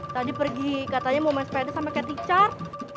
tadi pergi katanya mau main spetis sama cathy char